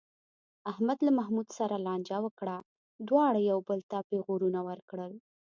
احمد له محمود سره لانجه وکړه، دواړو یو بل ته پېغورونه ورکړل.